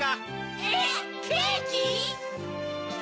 えっケキ？